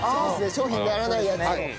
商品にならないやつを。